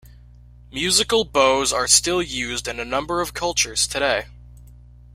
Musical bows are still used in a number of cultures today.